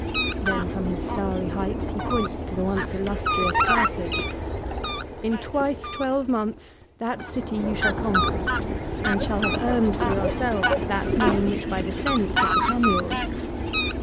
Then from his starry heights he points to the once illustrious Carthage. " In twice twelve months that city you shall conquer, and shall have earned for yourself that name which by descent has become yours.